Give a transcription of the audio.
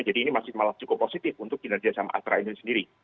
jadi ini masih malah cukup positif untuk kinerja saham astra ini sendiri